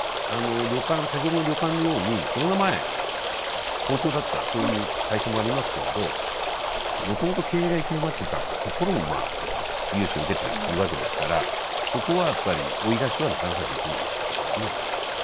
先ほどの旅館のようにコロナ前、好調だった、そういう会社もありますけれどもともと経営が行き詰まっていたところも融資を受けたりするわけですからそこは追い貸しはなかなかできないということですね。